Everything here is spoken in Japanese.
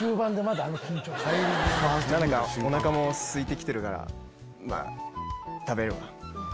おなかもすいてきてるから食べようか。